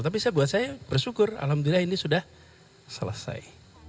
tapi saya buat saya bersyukur alhamdulillah ini sudah selesai